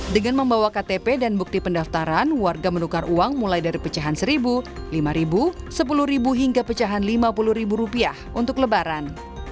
dengan membawa ktp dan bukti pendaftaran warga menukar uang mulai dari pecahan rp satu lima sepuluh hingga pecahan rp lima puluh untuk lebaran